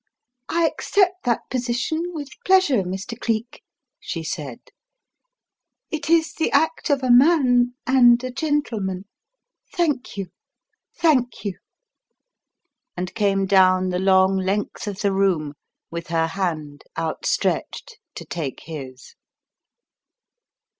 "I accept that position with pleasure, Mr. Cleek," she said. "It is the act of a man and a gentleman. Thank you! Thank you." And came down the long length of the room with her hand outstretched to take his.